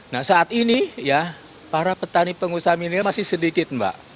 nah saat ini ya para petani pengusaha milenial masih sedikit mbak